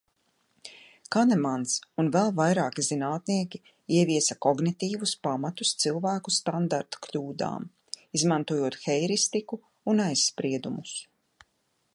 Kanemans un vēl vairāki zinātnieki ieviesa kognitīvus pamatus cilvēku standartkļūdām, izmantojot heiristiku un aizspriedumus.